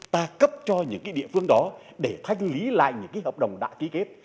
ta cấp cho những cái địa phương đó để thanh lý lại những cái hợp đồng đã ký kết